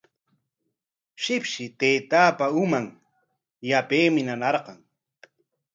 Shipshi taytaapa uman yapaymi nanarqun.